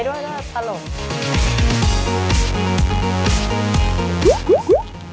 แต่น้ำเป็นคนตลกค่ะคุยไลค์ด้วยก็ตลก